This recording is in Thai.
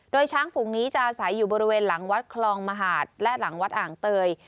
โดยช้างฝูงนี้จะอาศัยอยู่บริเวณหลังวัดคลองมหาดและหลังวัดอ่างเตย